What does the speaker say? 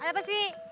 ada apa sih